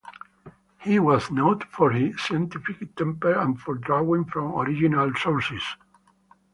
He was noted for his scientific temper and for drawing from original sources.